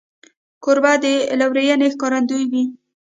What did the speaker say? کوربه د لورینې ښکارندوی وي.